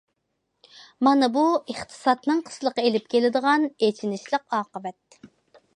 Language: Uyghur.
مانا بۇ ئىقتىسادنىڭ قىسلىقى ئېلىپ كېلىدىغان ئېچىنىشلىق ئاقىۋەت.